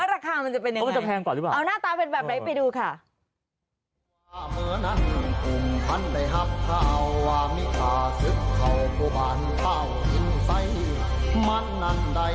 เออราคามันจะเป็นยังไงเอาหน้าตาเป็นแบบไหนไปดูค่ะ